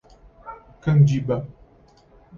Candiba